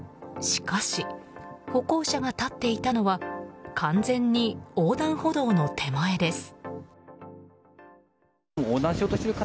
しかし、歩行者が立っていたのは完全に横断歩道の手前です。